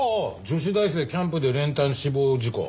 「女子大生キャンプで練炭死亡事故」